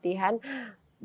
mereka harus mendapatkan umum